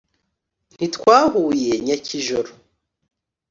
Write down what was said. ntitwahuye nyakijoro ,